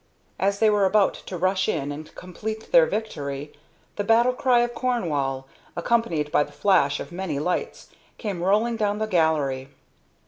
As they were about to rush in and complete their victory, the battle cry of Cornwall, accompanied by the flash of many lights, came rolling down the gallery.